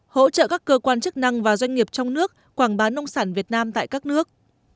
hỗ trợ các cơ quan chức năng và doanh nghiệp trong nước quảng bá nông sản việt nam tại các nước